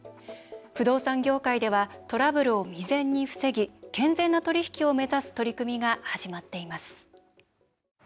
不動産業界ではトラブルを未然に防ぎ健全な取り引きを目指す取り組みが始まっています。